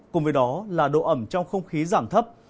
cùng với đó là độ ẩm trong không khí giảm thấp